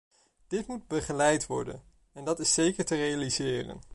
Dit moet begeleid worden, en dat is zeker te realiseren.